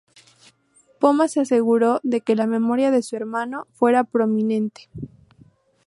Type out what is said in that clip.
Poma se aseguró de que la memoria de su hermano fuera prominente.